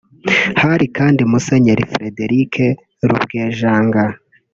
Hari kandi Musenyeri Fréderic Rubwejanga